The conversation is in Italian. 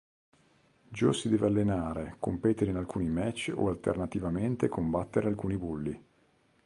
Joe si deve allenare, competere in alcuni match o alternativamente combattere alcuni bulli.